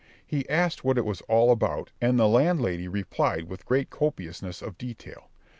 He asked what it was all about, and the landlady replied with great copiousness of detail.